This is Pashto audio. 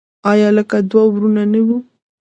آیا لکه دوه ورونه نه وي؟